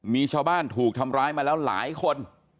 มีชาวบ้านถูกทำร้ายมาแล้วหลายคน